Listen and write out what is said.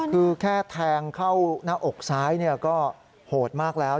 คือแค่แทงเข้าหน้าอกซ้ายก็โหดมากแล้ว